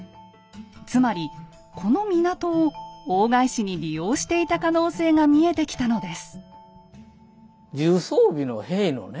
つまりこの港を大返しに利用していた可能性が見えてきたのです。